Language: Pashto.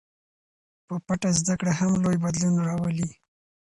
په پټه زده کړه هم لوی بدلون راولي.